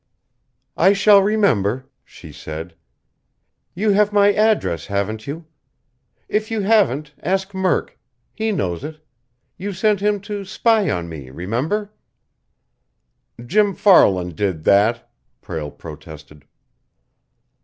"I shall remember," she said. "You have my address, haven't you? If you haven't, ask Murk. He knows it. You sent him to spy on me, remember." "Jim Farland did that," Prale protested.